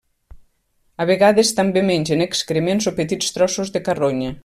A vegades també mengen excrements o petits trossos de carronya.